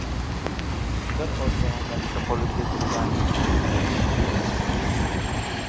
Bir ota-ona ikki qoʻli kesilgan